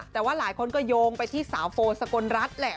แต่ว่าหลายคนก็โยงไปที่สาวโฟสกลรัฐแหละ